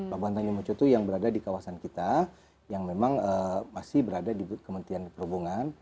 pelabuhan tanjung moco itu yang berada di kawasan kita yang memang masih berada di kementerian perhubungan